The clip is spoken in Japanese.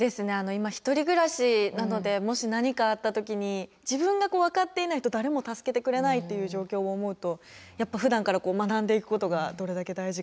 今一人暮らしなのでもし何かあった時に自分が分かっていないと誰も助けてくれないっていう状況を思うとやっぱふだんから学んでいくことがどれだけ大事かっていうのは思いますね。